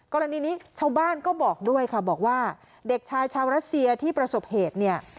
กรณีนี้ชาวบ้านก็บอกด้วยค่ะบอกว่าเด็กชายชาวรัสเซียที่ประสบเหตุเนี่ย